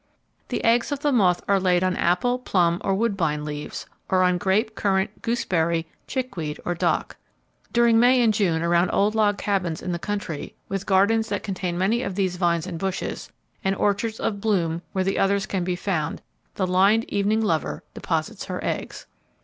The eggs of the moth are laid on apple, plum, or woodbine leaves, or on grape, currant, gooseberry, chickweed or dock. During May and June around old log cabins in the country, with gardens that contain many of these vines and bushes, and orchards of bloom where the others can be found the Lined Evening Lover deposits her eggs.